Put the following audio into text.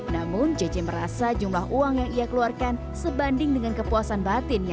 namun cc merasa jumlah uang yang ia keluarkan sebanding dengan kepuasan batin